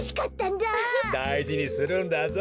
だいじにするんだぞ。